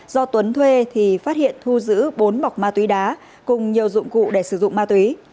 do tuấn thuê thì phát hiện thu giữ bốn bọc ma túy đá cùng nhiều dụng cụ để sử dụng ma túy